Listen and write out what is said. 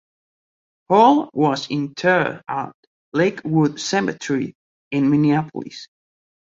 Hall was interred at Lake Wood Cemetery in Minneapolis.